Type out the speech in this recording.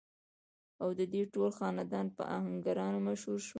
او ددوي ټول خاندان پۀ اهنګرانو مشهور شو ۔